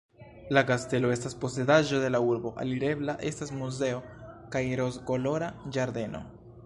La kastelo estas posedaĵo de la urbo, alirebla estas muzeo kaj Rozkolora ĝardeno.